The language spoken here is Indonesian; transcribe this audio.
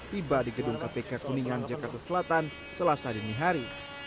tiba di gedung kpk kuningan jakarta selatan selasa dini hari